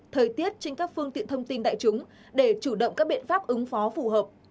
thời tiết trên các phương tiện thông tin đại chúng để chủ động các biện pháp ứng phó phù hợp